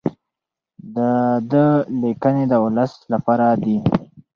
د ده لیکنې د ولس لپاره دي.